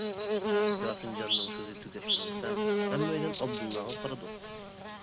ياسىنجاننىڭ سۆزى تۈگەش بىلەن تەڭ ھەممەيلەن ئابدۇللاغا قارىدۇق.